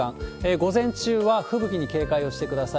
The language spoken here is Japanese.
午前中は吹雪に警戒をしてください。